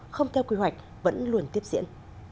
không theo quy hoạch vẫn luôn tiếp diễn